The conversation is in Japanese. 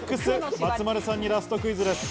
松丸さんにラストクイズです。